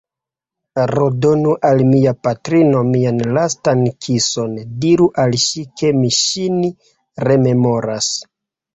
Redonu al mia patrino mian lastan kison, diru al ŝi, ke mi ŝin rememoras!